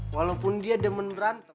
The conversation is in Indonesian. walaupun dia demen berantem